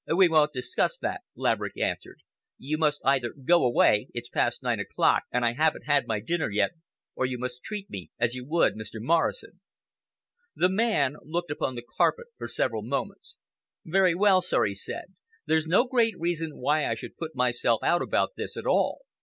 "We won't discuss that," Laverick answered. "You must either go away—it's past nine o'clock and I haven't had my dinner yet—or you must treat me as you would Mr. Morrison." The man looked upon the carpet for several moments. "Very well, sir," he said, "there's no great reason why I should put myself out about this at all.